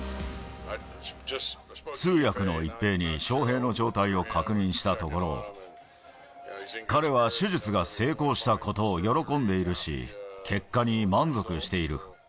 通訳の一平に、翔平の状態を確認したところ、彼は手術が成功したことを喜んでいるし、結果に満足している。